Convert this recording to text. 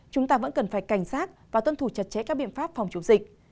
chúng ta vẫn cần phải cảnh sát và tuân thủ chặt chẽ các biện pháp phòng chống dịch